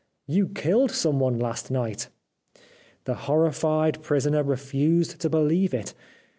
You killed someone last night !' The horrified prisoner refused to believe it.